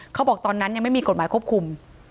ตอนนั้นยังไม่มีกฎหมายควบคุม